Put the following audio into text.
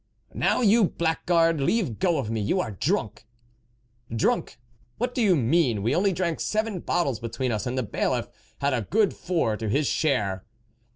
" Now, you blackguard, leave go of me ! you are drunk !"" Drunk ! What do you mean ? We only drank seven bottles between us, and the Bailiff had a good four to his share."